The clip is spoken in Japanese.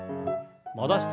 戻して。